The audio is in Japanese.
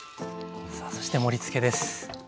さあそして盛りつけです。